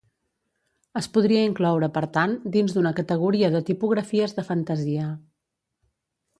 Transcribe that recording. Es podria incloure, per tant, dins d'una categoria de tipografies de fantasia.